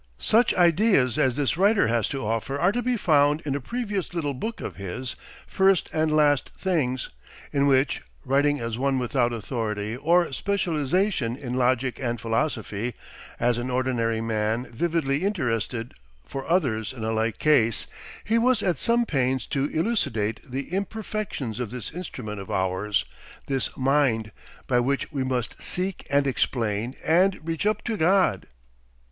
Such ideas as this writer has to offer are to be found in a previous little book of his, "First and Last Things," in which, writing as one without authority or specialisation in logic and philosophy, as an ordinary man vividly interested, for others in a like case, he was at some pains to elucidate the imperfections of this instrument of ours, this mind, by which we must seek and explain and reach up to God.